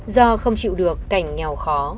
do không chịu được cảnh nghèo khó